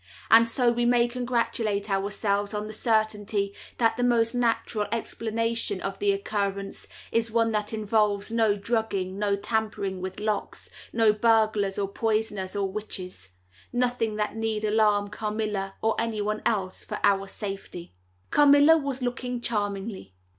"And so we may congratulate ourselves on the certainty that the most natural explanation of the occurrence is one that involves no drugging, no tampering with locks, no burglars, or poisoners, or witches—nothing that need alarm Carmilla, or anyone else, for our safety." Carmilla was looking charmingly.